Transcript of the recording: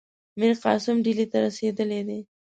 میرقاسم ډهلي ته رسېدلی دی.